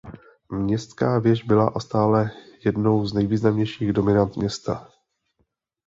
Městská věž byla a stále jednou z nejvýznamnějších dominant města.